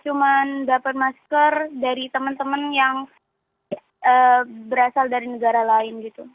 cuma dapat masker dari teman teman yang berasal dari negara lain gitu